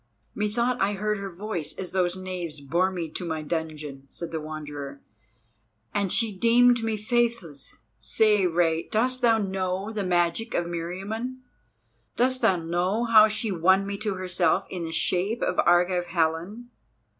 "Methought I heard her voice as those knaves bore me to my dungeon," said the Wanderer. "And she deemed me faithless! Say, Rei, dost thou know the magic of Meriamun? Dost thou know how she won me to herself in the shape of Argive Helen?"